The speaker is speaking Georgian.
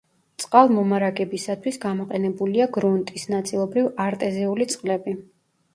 წყალმომარაგებისათვის გამოყენებულია გრუნტის, ნაწილობრივ არტეზიული წყლები.